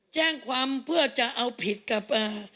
แจ้งความเพื่อจะเอาผิดกับ